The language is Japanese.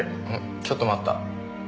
ちょっと待った。